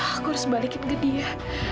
aku harus balikin ke dia